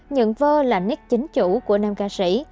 nhận vơ là nét chính chủ của nam ca sĩ